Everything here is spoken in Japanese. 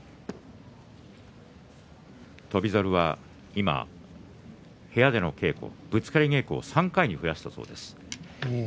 翔猿は今、部屋での稽古ぶつかり稽古を３回に増やしたそうです。